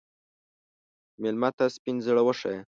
مېلمه ته سپین زړه وښیه.